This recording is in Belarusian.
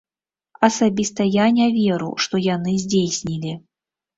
Асабіста я не веру, што яны здзейснілі.